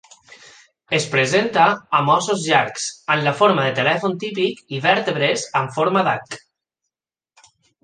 Es presenta amb ossos llarg amb la forma de telèfon típic i vèrtebres amb forma d'H.